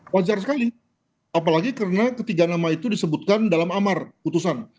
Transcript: wajar sekali apalagi karena ketiga nama itu disebutkan dalam amar putusan